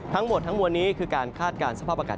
ทั้งหมดทั้งมวลนี้คือการคาดการณ์สภาพอากาศ